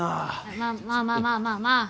まあまあまあまあまあまあ。